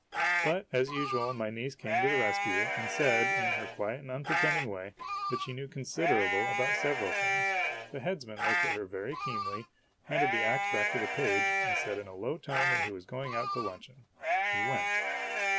But, as usual, my niece came to the rescue, and said, in her quiet and unpretending way, that she knew considerable about THE ASTROLOGER S NIECE MARRIES IOI several things. The headsman looked at her very keenly, handed the ax back to the page, and said in a low tone that he was going out to luncheon. He went.